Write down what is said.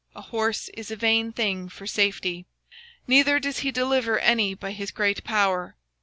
An horse is a vain thing for safety: Neither shall he deliver any by his great strength.